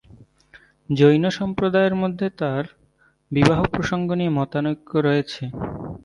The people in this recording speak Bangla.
জৈন সম্প্রদায়গুলির মধ্যে তার বিবাহ প্রসঙ্গ নিয়ে মতানৈক্য রয়েছে।